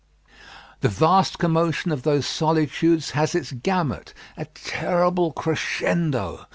The vast commotion of those solitudes has its gamut, a terrible crescendo.